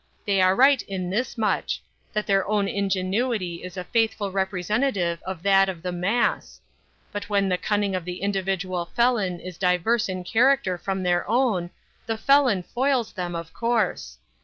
They are right in this much—that their own ingenuity is a faithful representative of that of the mass; but when the cunning of the individual felon is diverse in character from their own, the felon foils them, of course.